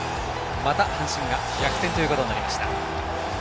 また阪神が逆転ということになりました。